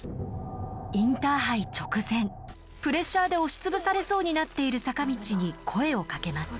インターハイ直前プレッシャーで押し潰されそうになっている坂道に声をかけます。